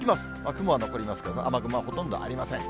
雲は残りますけども、雨雲はほとんどありません。